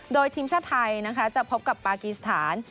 โดยทีมเช่าไทยจะพบกับปากีสถาน